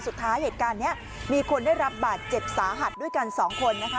สุดท้ายเหตุการณ์นี้มีคนได้รับบาดเจ็บสาหัสด้วยกันสองคนนะคะ